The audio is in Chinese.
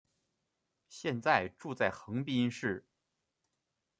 现在住在横滨市。